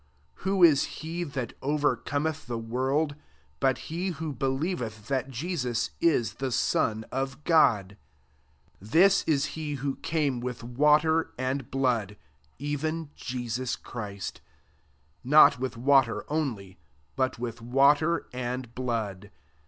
5 Who is he that overcometh the world, but be who believeth that Jeaus is the Son of God? 6 This is he who came with water and blood, eoen Jeras Christ: not with water only, but with water and blood.